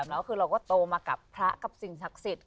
แล้วคือเราก็โตมากับพระกับสิ่งศักดิ์สิทธิ